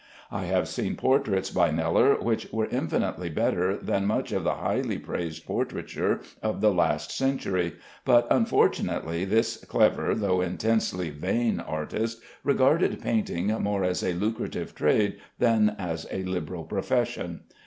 I have seen portraits by Kneller which were infinitely better than much of the highly praised portraiture of the last century; but unfortunately this clever though intensely vain artist regarded painting more as a lucrative trade than as a liberal profession.